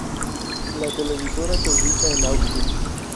La televisora se ubica en Austin.